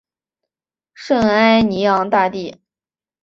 圣艾尼昂大地。